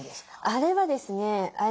あれはですね